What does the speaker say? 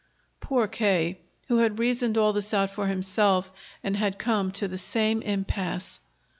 Poor K., who had reasoned all this out for himself and had come to the same impasse!